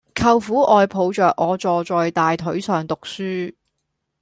舅父愛抱着我坐在大腿上讀書